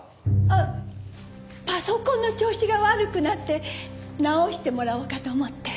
えっパソコンの調子が悪くなって直してもらおうかと思って。